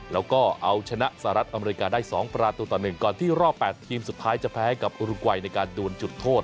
แล้วก็เอาชนะสหรัฐอเมริกาได้๒ประตูต่อ๑ก่อนที่รอบ๘ทีมสุดท้ายจะแพ้ให้กับอุรุกวัยในการดวนจุดโทษ